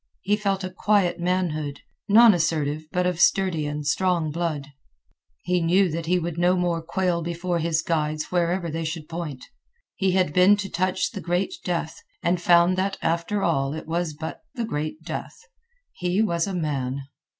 He felt a quiet manhood, nonassertive but of sturdy and strong blood. He knew that he would no more quail before his guides wherever they should point. He had been to touch the great death, and found that, after all, it was but the great death. He was a man.